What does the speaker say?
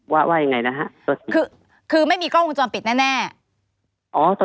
ว่าว่ายังไงนะฮะคือคือไม่มีกล้องวงจรปิดแน่แน่อ๋อ